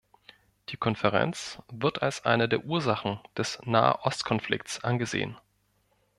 Die Konferenz wird als eine der Ursachen des Nahostkonflikts angesehen.